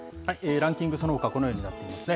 ランキング、そのほかはこのようになっていますね。